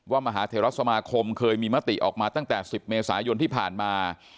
มหาเทราสมาคมเคยมีมติออกมาตั้งแต่๑๐เมษายนที่ผ่านมา